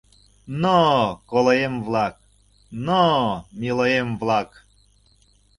— Н-нно, колоем-влак, н-нно, милоем-влак!